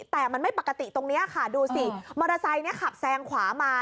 แต่มันไม่ปกติตรงนี้ค่ะดูสิมอเตอร์ไซค์นี้ขับแซงขวามา